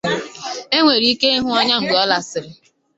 Enwere ike ịhụ ọnya mgbe ọlachisiri.